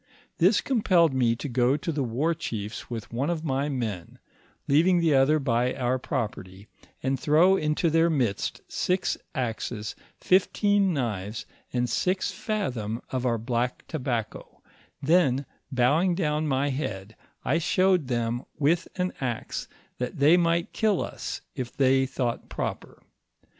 This com pelled me to go to the war chiefs with one of my men, leaving the other by our property, and throw into their midst six axes, fifteen knives, and six fathom of our black tobacco, then bowing down my head, I showed them, with an axe, that they might kill us, if they thought proper.